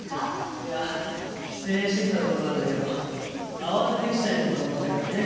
いや帰省してきたところなんじゃけど慌てて汽車に乗ったもんじゃから土産を買いそびれてしもうて。